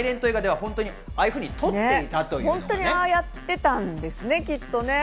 本当にああやってたんですね。